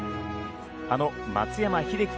あの松山英樹